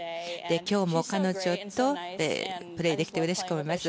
今日も彼女とプレーできてうれしく思います。